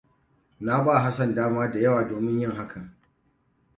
Na ba Hassan dama da yawa domin yin hakan.